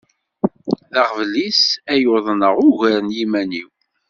D aɣbel-is ay uḍneɣ ugar n yiman-iw.